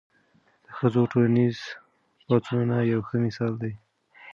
د ښځو ټولنیز پاڅونونه یو ښه مثال دی.